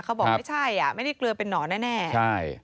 เขาบอกไม่ใช่อ่ะไม่ได้เกลือเป็นนอนแน่ใช่